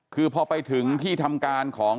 คือพอไปถึงที่ทำการของ